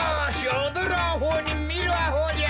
おどるあほうにみるあほうじゃ。